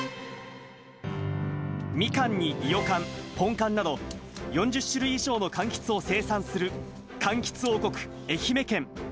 ミカンに伊予かん、ポンカンなど、４０種類以上のかんきつを生産するかんきつ大国、愛媛県。